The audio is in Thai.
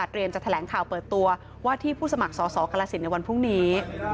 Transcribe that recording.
จะแถลงข่าวเปิดตัวว่าที่ผู้สมัครสอสอกรสินในวันพรุ่งนี้